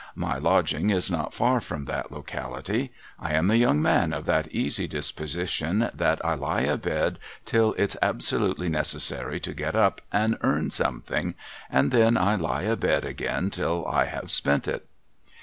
My lodging is not far from that locality. I am a young man of that easy disposition, that I lie abed till it's absolutely necessary to get up and earn something, and then I lie abed again till I have spent it.